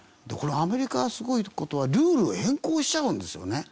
このアメリカがすごい事はルールを変更しちゃうんですよね。